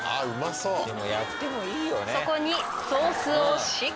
うまそう！